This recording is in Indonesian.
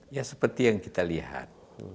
ya seperti yang kita lihat